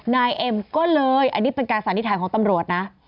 นายเอ็มก็เลยอันนี้เป็นการสันนิษฐานของตำรวจนะ